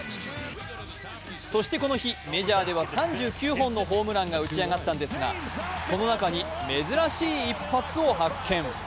そしてこの日、メジャーでは３９本のホームランが打ち上がったんですが、その中に珍しい一発を発見。